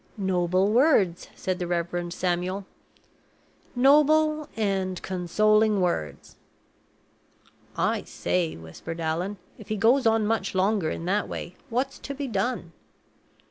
"Noble words!" said the Reverend Samuel. "Noble and consoling words!" "I say," whispered Allan, "if he goes on much longer in that way, what's to be done?"